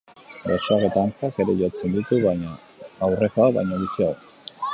Besoak eta hankak ere jotzen ditu, baina aurrekoak baino gutxiago.